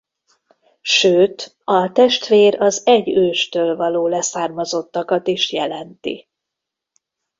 Sőt a testvér az egy őstől való leszármazottakat is jelenti.